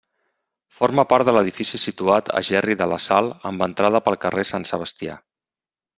Forma part de l'edifici situat a Gerri de la Sal, amb entrada per carrer Sant Sebastià.